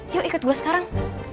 yuk ikut gue sekarang